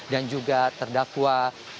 dan juga terdakwa